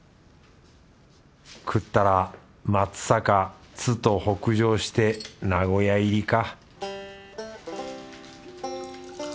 食ったら松阪津と北上して名古屋入りか